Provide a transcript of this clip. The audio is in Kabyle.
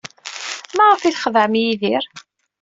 Maɣef ay txedɛem Yidir?